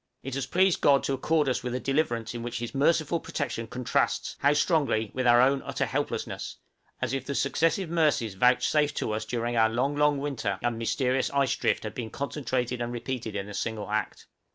It has pleased God to accord to us a deliverance in which His merciful protection contrasts how strongly! with our own utter helplessness; as if the successive mercies vouchsafed to us during our long, long winter and mysterious ice drift had been concentrated and repeated in a single act.